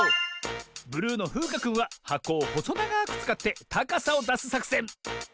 ブルーのふうかくんははこをほそながくつかってたかさをだすさくせん。